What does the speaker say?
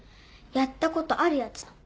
やったことあるやつの。